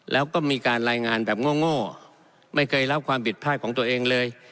แล้วก็มีการรายงานแบบง่อไม่เคยรับความผิดพลาดของตัวเองเลย